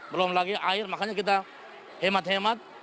belum lagi air makanya kita hemat hemat